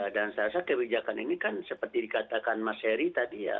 dan saya rasa kebijakan ini kan seperti dikatakan mas heri tadi ya